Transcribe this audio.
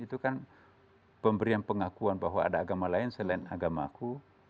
itu kan pemberian pengakuan bahwa ada agama lain selain agamaku